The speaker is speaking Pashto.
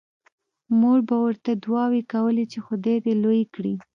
مور به ورته دعاوې کولې چې خدای دې لوی کړي